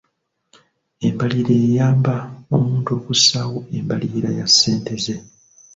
Embalirira eyamba omuntu okussaawo embalirira ya ssente ze.